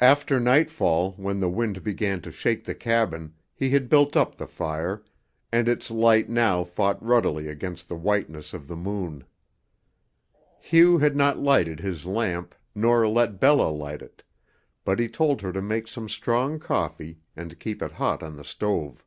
After nightfall, when the wind began to shake the cabin, he had built up the fire, and its light now fought ruddily against the whiteness of the moon. Hugh had not lighted his lamp, nor let Bella light it, but he told her to make some strong coffee and keep it hot on the stove.